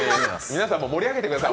皆さんも盛り上げてください。